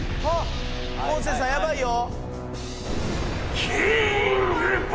昴生さんやばいよ。